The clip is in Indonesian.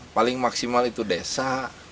paling maksimal itu desa